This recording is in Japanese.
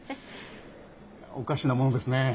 おかしなものですねえ。